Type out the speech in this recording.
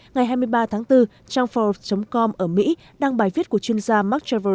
ngày hai mươi ba tháng bốn trang forbes com ở mỹ đăng bài viết của chuyên gia mark travers cho thấy việt nam